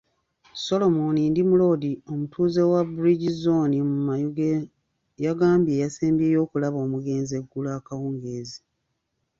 Solomon Ndimulodi, omutuuze wa Bridge zooni mu Mayuge yagambye yasembyeyo okulaba omugenzi eggulo akawungeezi.